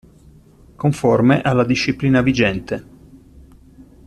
Conforme alla disciplina vigente.